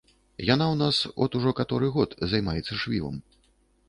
Яна ў нас от ужо каторы год займаецца швівам.